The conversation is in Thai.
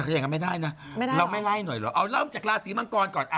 แต่ก็ยังงั้นไม่ได้นะเราไม่ไล่หน่อยหรอเอาเริ่มจากราศีมังกรก่อน